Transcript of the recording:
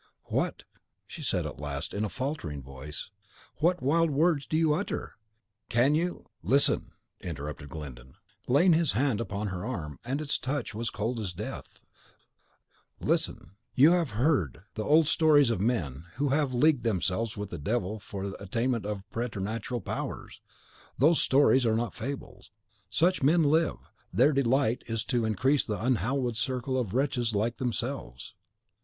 "What," she said, at last, in a faltering voice, "what wild words do you utter! Can you " "Listen!" interrupted Glyndon, laying his hand upon her arm, and its touch was as cold as death, "listen! You have heard of the old stories of men who have leagued themselves with devils for the attainment of preternatural powers. Those stories are not fables. Such men live. Their delight is to increase the unhallowed circle of wretches like themselves.